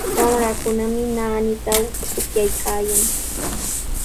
Wamrakunami naanitraw pukllaykaayan.